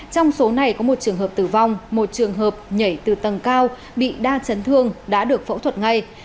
trong số này có một trường hợp tử vong một trường hợp nhảy từ tầng cao bị đa chấn thương đã được phẫu thuật ngay